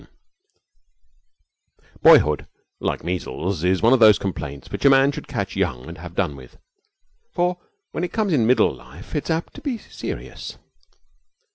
17 Boyhood, like measles, is one of those complaints which a man should catch young and have done with, for when it comes in middle life it is apt to be serious.